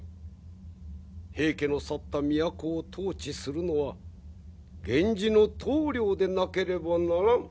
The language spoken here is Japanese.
平家の去った都を統治するのは源氏の棟梁でなければならん。